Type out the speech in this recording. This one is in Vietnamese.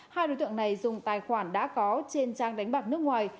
hai đối tượng này dùng tài khoản đã có trên trang đánh bạc nước ngoài